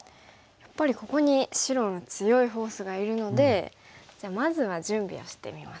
やっぱりここに白の強いフォースがいるのでじゃあまずは準備をしてみます。